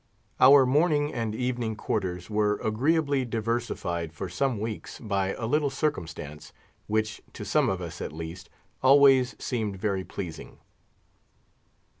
Our morning and evening quarters were agreeably diversified for some weeks by a little circumstance, which to some of us at least, always seemed very pleasing.